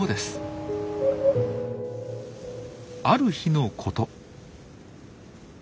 ある日のこと。